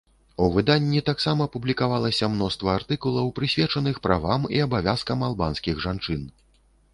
У выданні таксама публікавалася мноства артыкулаў, прысвечаных правам і абавязкам албанскіх жанчын.